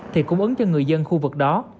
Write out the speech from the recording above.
thì cung ứng cho người dân khu vực đó